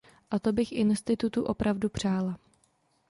A to bych institutu opravdu přála.